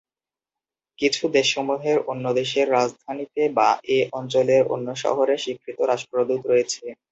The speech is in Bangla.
কিছু দেশসমূহের অন্য দেশের রাজধানীতে বা এ অঞ্চলের অন্য শহরে স্বীকৃত রাষ্ট্রদূত রয়েছে।